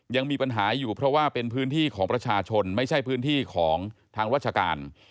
ยังมีปัญหาอยู่เพราะว่าเป็นพื้นที่ของประชาชนไม่ใช่พื้นที่ของทางราชการ